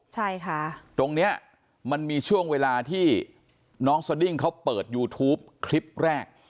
ใช่ค่ะตรงเนี้ยมันมีช่วงเวลาที่น้องสดิ้งเขาเปิดยูทูปคลิปแรก